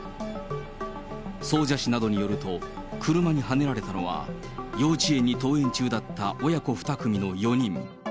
総社市などによると、車にはねられたのは、幼稚園に登園中だった親子２組の４人。